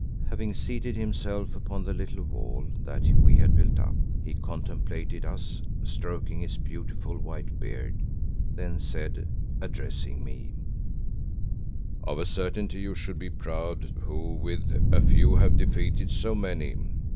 Having seated himself upon the little wall that we had built up, he contemplated us, stroking his beautiful white beard, then said, addressing me, "Of a certainty you should be proud who with a few have defeated so many.